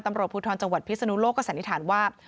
ตำรวจภูทรจังหวัดพิศนุโลกก็สันนิษฐานว่า